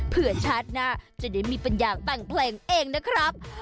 เพื่อชาติหน้าจะได้มีปัญญาแต่งเพลงเองนะครับ